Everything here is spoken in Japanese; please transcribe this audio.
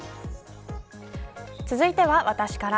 続いては私から。